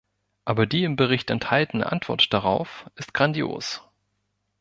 Aber die im Bericht enthaltene Antwort darauf ist grandios.